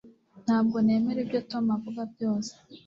Ntabwo nemera ibyo Tom avuga byose